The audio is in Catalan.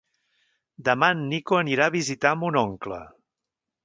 Demà en Nico anirà a visitar mon oncle.